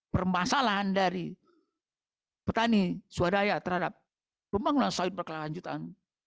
permasalahan dari petani swadaya terhadap pembangunan sawit berkelanjutan